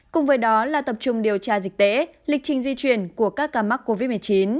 cùng với đó là tập trung điều tra dịch tễ lịch trình di chuyển của các ca mắc covid một mươi chín